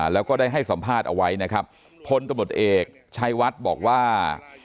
แล้วก็ได้ให้สัมภาษณ์เอาไว้นะครับพลตำรวจเอกชัยวัดบอกว่า